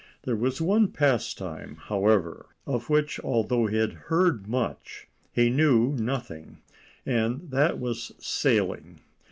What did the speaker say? There was one pastime, however, of which, although he had heard much, he knew nothing, and that was sailing.